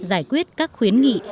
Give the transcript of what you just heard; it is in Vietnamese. giải quyết các khuyến nghị